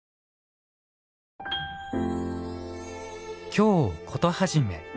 「京コトはじめ」。